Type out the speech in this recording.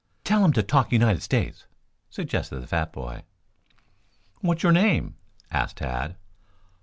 "Tell him to talk United States," suggested the fat boy. "What is your name?" asked Tad.